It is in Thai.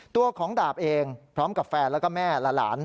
ตัวของดาบเองพร้อมกับแฟนแล้วก็แม่และหลาน